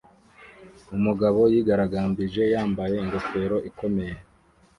Umugabo yigaragambije yambaye ingofero ikomeye